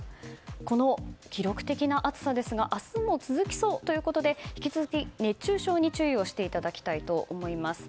この記録的な暑さですが明日も続きそうということで引き続き、熱中症に注意していただきたいと思います。